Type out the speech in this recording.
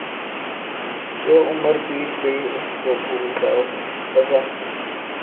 جو عُمر بیت گئی اُس کو بھُول جاؤں رضاؔ